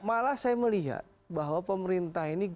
malah saya melihat bahwa pemerintah ini